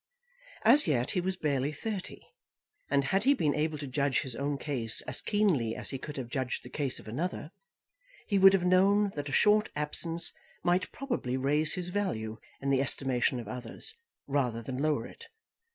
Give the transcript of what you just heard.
As yet, he was barely thirty, and had he been able to judge his own case as keenly as he could have judged the case of another, he would have known that a short absence might probably raise his value in the estimation of others rather than lower it.